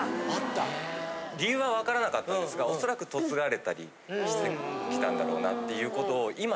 理由はわからなかったんですがおそらく嫁がれたりして来たんだろうなっていうことを。